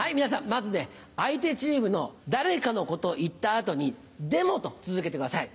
まずね相手チームの誰かのことを言った後に「でも」と続けてください。